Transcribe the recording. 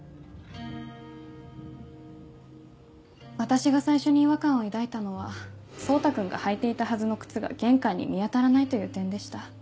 私が最初に違和感を抱いたのは蒼汰君が履いていたはずの靴が玄関に見当たらないという点でした。